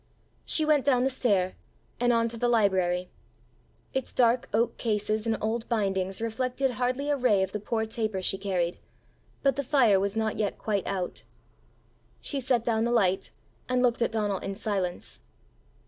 She went down the stair, and on to the library. Its dark oak cases and old bindings reflected hardly a ray of the poor taper she carried; but the fire was not yet quite out. She set down the light, and looked at Donal in silence.